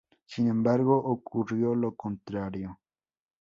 Sin embargo ocurrió lo contrario.